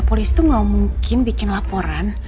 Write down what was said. polisi itu gak mungkin bikin laporan